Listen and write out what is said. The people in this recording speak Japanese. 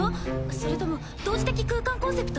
それとも同時的空間コンセプト？